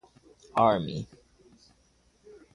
Army.